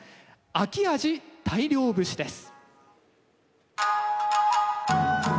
「秋鮭大漁節」です。